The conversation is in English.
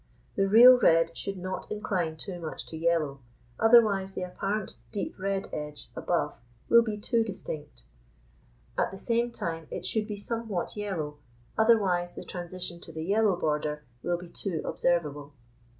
The real red should not incline too much to yellow, otherwise the apparent deep red edge above will be too distinct; at the same time it should be somewhat yellow, otherwise the transition to the yellow border will be too observable.